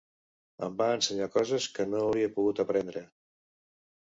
Em va ensenyar coses que no hauria pogut aprendre